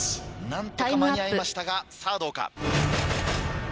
何とか間に合いましたがどうか？